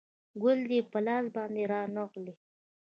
ګل دې په لاس باندې رانغلی